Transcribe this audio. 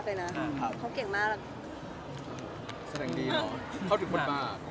เขาเก่งมากเลยนะ